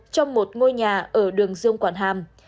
trong một ngôi nhà ở đường dương quảng hàm